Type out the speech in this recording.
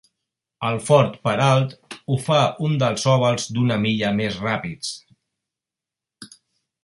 El fort peralt ho fa un dels ovals d'una milla més ràpids.